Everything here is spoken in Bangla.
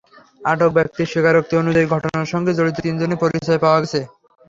আটক ব্যক্তির স্বীকারোক্তি অনুযায়ী ঘটনার সঙ্গে জড়িত তিনজনের পরিচয় পাওয়া গেছে।